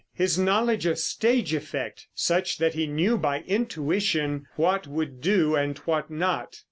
His knowledge of stage effect, such that he knew by intuition what would do, and what not.